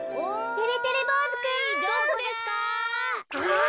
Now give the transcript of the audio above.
てれてれぼうずくん？あっ。